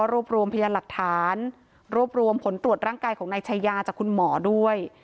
รวบรวมพยานหลักฐานรวบรวมผลตรวจร่างกายของนายชายาจากคุณหมอด้วย